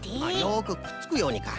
よくくっつくようにか。